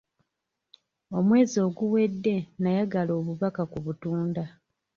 Omwezi oguwedde, nayagala obubaka ku butunda.